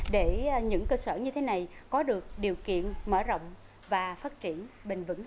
để những cơ sở như thế này có được điều kiện mở rộng và phát triển bình vững hơn